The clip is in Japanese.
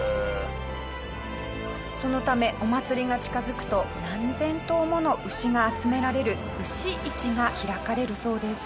そのためお祭りが近づくと何千頭もの牛が集められる牛市が開かれるそうです。